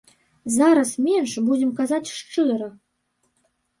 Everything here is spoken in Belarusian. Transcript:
Зараз менш, будзем казаць шчыра.